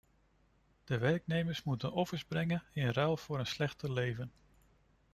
De werknemers moeten offers brengen in ruil voor een slechter leven.